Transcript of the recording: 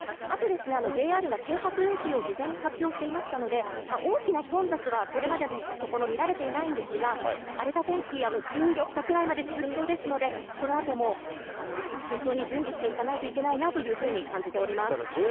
あとＪＲが計画運休を事前に発表していましたので、大きな混雑はこれまでのところ見られていないんですが、荒れた天気、１４日くらいまで続きそうですので、このあとも慎重に準備していかないといけないなというふうに感じております。